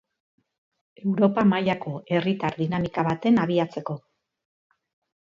Europa mailako herritar dinamika baten abiatzeko.